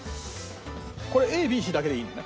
これＡＢＣだけでいいのね？